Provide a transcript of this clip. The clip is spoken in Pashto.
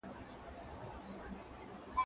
زه به سبا د زده کړو تمرين وکړم!؟